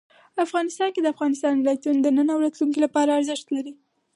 افغانستان کې د افغانستان ولايتونه د نن او راتلونکي لپاره ارزښت لري.